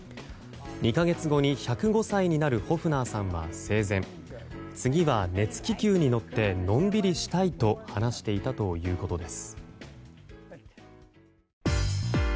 ２か月後に１０５歳になるホフナーさんは生前、次は熱気球に乗ってのんびりしたいと話していたということです。